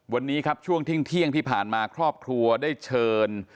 วันนี้ครับช่วงเที่ยงที่ผ่านมาครอบครัวได้เชิญ